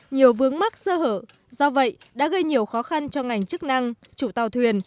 nhiều vướng mắc sơ hở do vậy đã gây nhiều khó khăn cho ngành chức năng chủ tàu thuyền